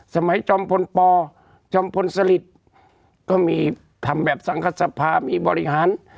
สมัยจำพลปจำพลสลิดก็มีทำแบบสังขสภาพมีบริหาร